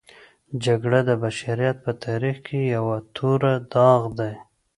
جګړه د بشریت په تاریخ کې یوه توره داغ دی.